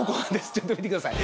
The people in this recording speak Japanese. ちょっと見てください。